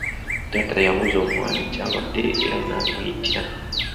Taata yabuuza omwana ky’abadde era n'abimuyitiramu.